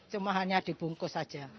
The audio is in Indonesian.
semua hanya dibungkus saja